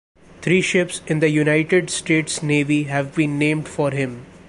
Three ships in the United States Navy have been named for him.